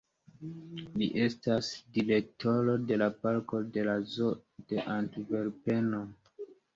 Li estas direktoro de la parko de la Zoo de Antverpeno.